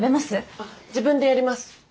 あっ自分でやります。